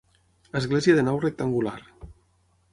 Església de nau rectangular.